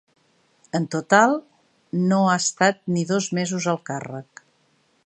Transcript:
En total, no ha estat ni dos mesos al càrrec.